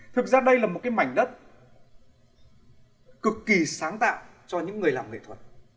thực ra đây là một cái mảnh đất cực kỳ sáng tạo cho những người làm nghệ thuật